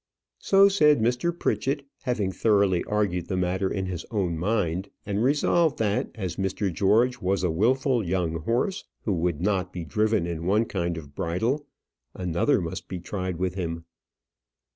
So said Mr. Pritchett, having thoroughly argued the matter in his own mind, and resolved, that as Mr. George was a wilful young horse, who would not be driven in one kind of bridle, another must be tried with him.